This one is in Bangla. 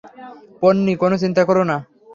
পোন্নি, কোনো চিন্তা কোরো না।